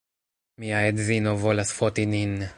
Mia edzino volas foti nin